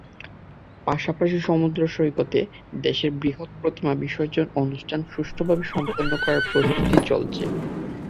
পাশাপাশি সমুদ্রসৈকতে দেশের বৃহৎ প্রতিমা বিসর্জন অনুষ্ঠান সুষ্ঠুভাবে সম্পন্ন করার প্রস্তুতিও চলছে।